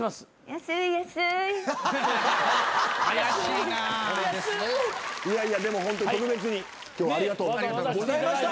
いやいやでもホント特別に今日はありがとうございました。